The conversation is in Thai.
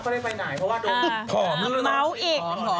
แล้วเขาไม่ได้ไปไหนเพราะว่าโด่